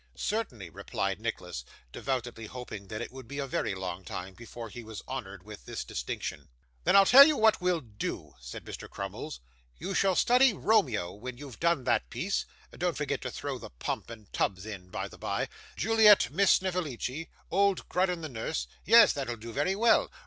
'Certainly,' replied Nicholas: devoutly hoping that it would be a very long time before he was honoured with this distinction. 'Then I'll tell you what we'll do,' said Mr. Crummles. 'You shall study Romeo when you've done that piece don't forget to throw the pump and tubs in by the bye Juliet Miss Snevellicci, old Grudden the nurse. Yes, that'll do very well.